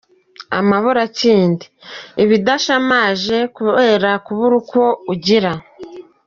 Amaburakindi = Ibidashamaje kubera kubura uko ugira.